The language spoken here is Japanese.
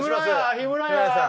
日村さん